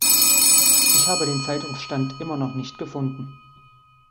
Ich habe den Zeitungsstand immer noch nicht gefunden.